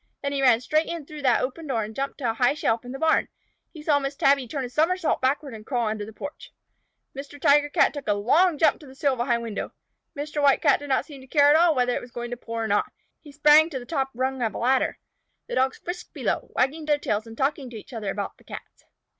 Then he ran straight in through that open door and jumped to a high shelf in the barn. He saw Miss Tabby turn a summersault backward and crawl under the porch. Mr. Tiger Cat took a long jump to the sill of a high window. Mr. White Cat did not seem to care at all whether it was going to pour or not. He sprang to the top round of a ladder. The Dogs frisked below, wagging their tails and talking to each other about the Cats.